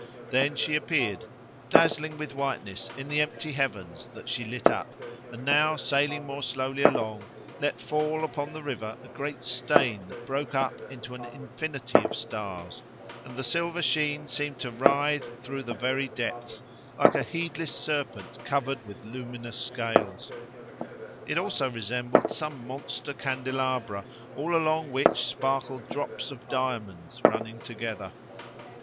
Then she appeared dazzling with whiteness in the empty heavens that she lit up, and now sailing more slowly along, let fall upon the river a great stain that broke up into an infinity of stars; and the silver sheen seemed to writhe through the very depths like a heedless serpent covered with luminous scales; it also resembled some monster candelabra all along which sparkled drops of diamonds running together.